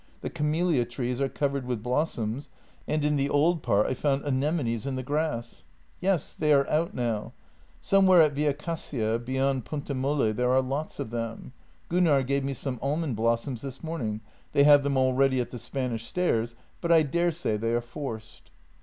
The camelia trees are covered with blossoms, and in the old part I found anemones in the grass." " Yes, they are out now. Somewhere at Via Cassia, beyond Ponte Molle, there are lots of them. Gunnar gave me some almond blossoms this morning; they have them already at the Spanish stairs, but I daresay they are forced."